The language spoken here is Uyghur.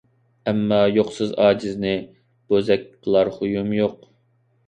ئەمما يوقسىز ئاجىزنى ،بوزەك قىلار خۇيۇم يوق.